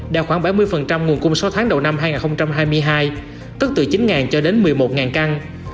đạt khoảng bảy mươi nguồn cung sáu tháng đầu năm hai nghìn hai mươi hai tức từ chín cho đến một mươi một căn